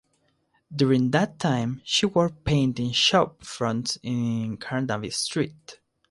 During that time she worked painting shop fronts in Carnaby Street.